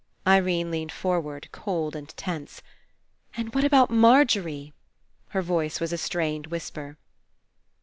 Irene leaned forward, cold and tense. ''And what about Margery?" Her voice was a strained whisper.